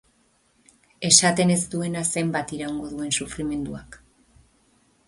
Esaten ez duena zenbat iraungo duen sufrimentuak.